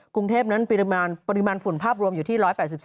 กรุงเทพนั้นปริมาณฝุ่นภาพรวมอยู่ที่๑๘๒